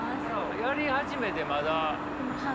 やり始めてまだ？